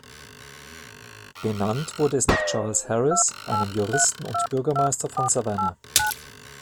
Benannt wurde es nach Charles Harris, einem Juristen und Bürgermeister von Savannah.